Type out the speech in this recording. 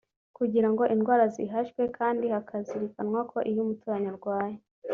kugirango indwara zihashywe kandi hakazirikanwa ko iyo umuturanyi arwaye